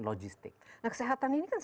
logistik nah kesehatan ini kan